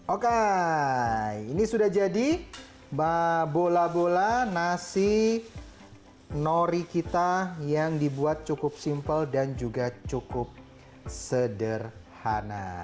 oke ini sudah jadi bola bola nasi nori kita yang dibuat cukup simpel dan juga cukup sederhana